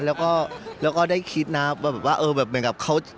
แล้วก็ได้คิดนะว่าเหมือนกับเขา